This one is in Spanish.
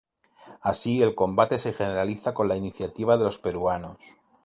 Así el combate se generaliza con la iniciativa de los peruanos.